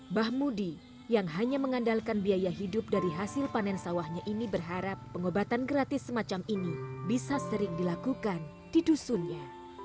mbah mudi yang hanya mengandalkan biaya hidup dari hasil panen sawahnya ini berharap pengobatan gratis semacam ini bisa sering dilakukan di dusunnya